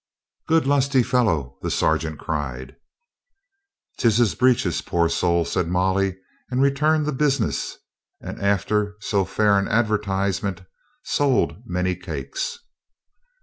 "Good lusty fellow," the sergeant cried. " 'Tis his breeches, poor soul," said Molly, and returned to business, and after so fair an advertise ment sold many cakes.